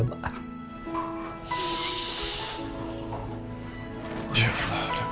memanih istri dan anak anakku